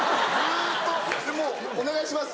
「お願いします